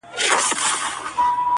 خلک يې يادونه کوي ډېر,